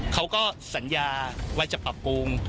เขาก็สัญญาว่าจะปรับปรุง